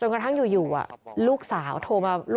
ส่วนของชีวาหาย